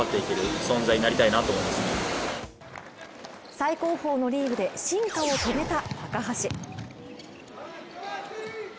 最高峰のリーグで進化を遂げた高橋。